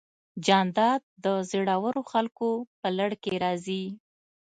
جانداد د زړورو خلکو په لړ کې راځي.